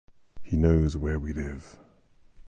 He knows where we live.